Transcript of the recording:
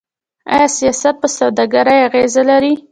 آیا سیاست په سوداګرۍ اغیز لري؟